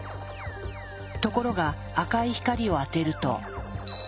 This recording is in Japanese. ところが赤い光を当てると。